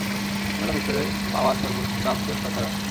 আমি হলাম ঈশ্বরের পাওয়ার প্রাপ্ত সর্সারার।